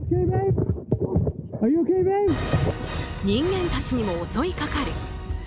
人間たちにも襲いかかる。